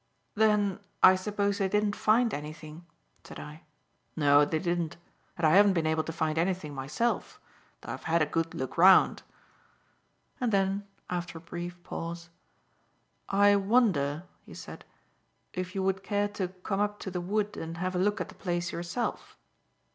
"Then, I suppose they didn't find anything?" said I. "No, they didn't, and I haven't been able to find anything myself, though I've had a good look round." And then, after a brief pause: "I wonder," he said, "if you would care to come up to the Wood and have a look at the place yourself."